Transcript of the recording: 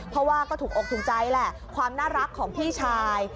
เพราะว่าก็ถูกอกถูกใจแหละความน่ารักของพี่ชาย